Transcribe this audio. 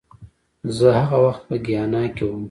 زه هغه وخت په ګیانا کې وم